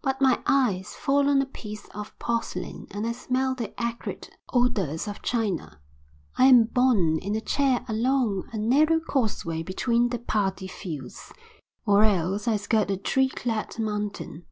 But my eyes fall on a piece of porcelain and I smell the acrid odours of China. I am borne in a chair along a narrow causeway between the padi fields, or else I skirt a tree clad mountain.